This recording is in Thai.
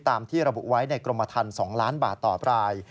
ตามที่ระบุไว้ในกรมภัณฑ์๒ล้านบาทต่อปลาย